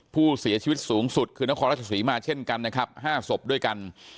ผู้เสียชีวิตสูงสุดคือนครราชศรีมาเช่นกันนะครับ๕ศพด้วยกัน